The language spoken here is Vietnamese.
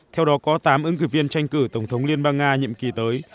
theo đó có tám ứng cử viên tranh cử tổng thống liên bang nga nhiệm kỳ tới